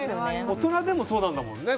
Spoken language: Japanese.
大人でもそうだもんね。